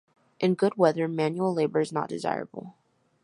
In good weather manual labor is not desirable.